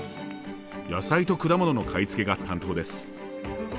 野菜と果物の買い付けが担当です。